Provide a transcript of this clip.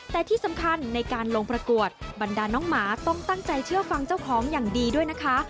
แต่ที่สำคัญในการลงประกวดบรรดาน้องหมาต้องตั้งใจเชื่อฟังเจ้าของอย่างดีด้วยนะคะ